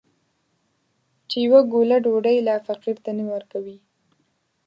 چې يوه ګوله ډوډۍ لا فقير ته نه ورکوي.